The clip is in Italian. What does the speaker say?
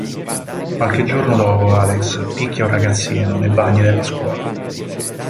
Qualche giorno dopo Alex picchia un ragazzino nei bagni della scuola.